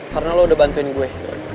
karena lo udah bantuin gue